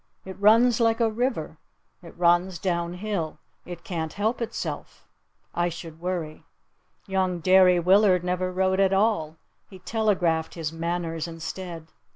It runs like a river. It runs down hill. It can't help itself. I should worry." Young Derry Willard never wrote at all. He telegraphed his "manners" instead.